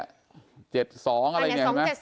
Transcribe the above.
๗๒อะไรยังไง